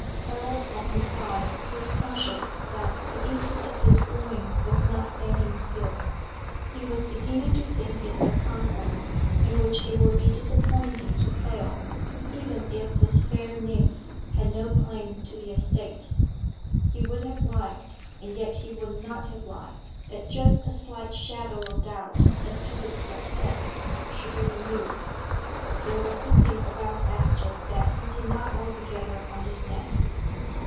Harold, on his side, was conscious that the interest of his wooing was not standing still. He was beginning to think it a conquest, in which it would be disappointing to fail, even if this fair nymph had no claim to the estate. He would have liked and yet he would not have liked that just a slight shadow of doubt as to his success should be removed. There was something about Esther that he did not altogether understand.